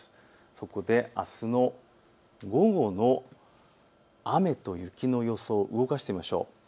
そこであすの午後の雨と雪の予想動かしてみましょう。